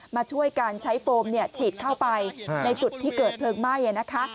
มาช่วยการใช้โฟมฉีดเข้าไปในจุดที่เกิดเพลิงไหม้นะคะ